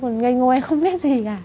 ngây ngô em không biết gì cả